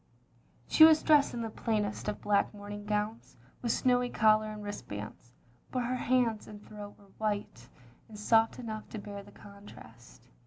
She was dressed in the plainest of black mourn ing gowns, with snowy collar and wristbands; but her hands and throat were white and soft enough to bear the contrast.